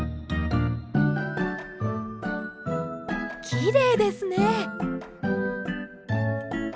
きれいですね。